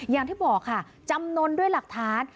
อย่างที่บอกค่ะจำนวนด้วยหลักฐาน